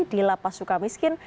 di lapas sukamiskin